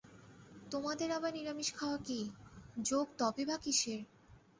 তোমাদের আবার নিরামিষ খাওয়া কী, যোগ-তপই বা কিসের!